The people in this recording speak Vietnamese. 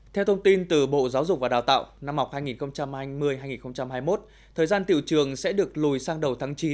theo thông tin từ bộ giáo dục và đào tạo năm học hai nghìn hai mươi hai nghìn hai mươi một thời gian tiểu trường sẽ được lùi sang đầu tháng chín